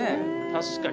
確かに。